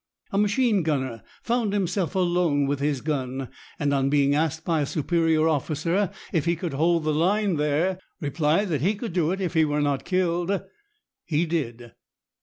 A machine gunner found himself alone with his gun, and on being asked by a superior officer if he could hold the line there, replied that he could if he were not killed. He did.